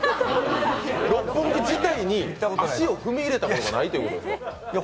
六本木自体に足を踏み入れたことがないということ？